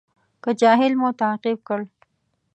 که جاهل مو تعقیب کړ.